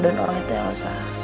dan orang itu elsa